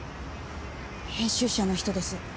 編集者の人です。